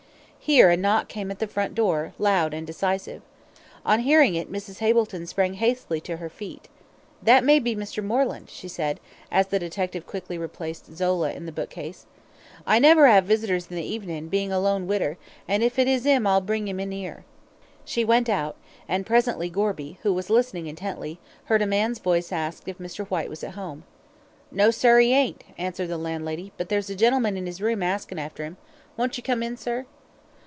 Here a knock came at the front door, loud and decisive. On hearing it Mrs. Hableton sprang hastily to her feet. "That may be Mr. Moreland," she said, as the detective quickly replaced "Zola" in the bookcase. "I never 'ave visitors in the evenin', bein' a lone widder, and if it is 'im I'll bring 'im in 'ere." She went out, and presently Gorby, who was listening intently, heard a man's voice ask if Mr. Whyte was at home. "No, sir, he ain't," answered the landlady; "but there's a gentleman in his room askin' after 'im. Won't you come in, sir?"